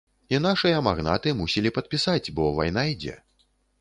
І нашыя магнаты мусілі падпісаць, бо вайна ідзе.